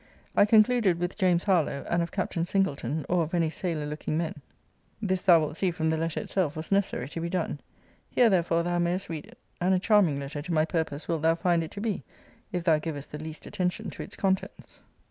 I concluded with James Harlowe, and of Captain Singleton, or of any sailor looking men.' This thou wilt see, from the letter itself, was necessary to be done. Here, therefore, thou mayest read it. And a charming letter to my purpose wilt thou find it to be, if thou givest the least attention to its contents.